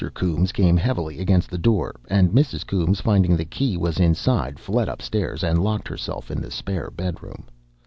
Coombes came heavily against the door, and Mrs. Coombes, finding the key was inside, fled upstairs and locked herself in the spare bedroom.